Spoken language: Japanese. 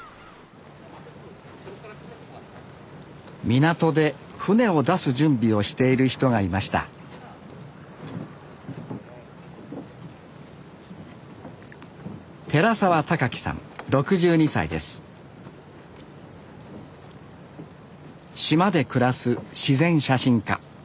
港で船を出す準備をしている人がいました島で暮らす自然写真家。